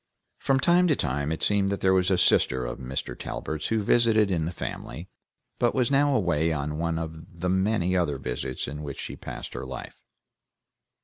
From time to time, it seemed that there was a sister of Mr. Talbert's who visited in the family, but was now away on one of the many other visits in which she passed her life.